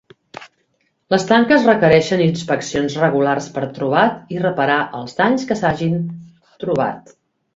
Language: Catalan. Les tanques requereixen inspeccions regulars per trobat i reparar els danys que s'hagin trobat.